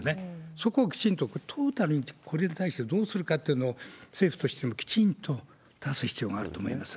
そこをきちんと、トータルで、これに対してどうするかっていうのを、政府としてもきちんと出す必要があると思いますね。